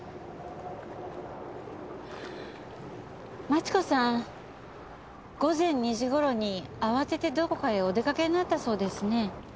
万智子さん午前２時頃に慌ててどこかへお出かけになったそうですね。